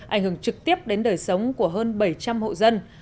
ảnh hưởng trực tiếp đến đời sống của hơn bảy trăm linh hộ dân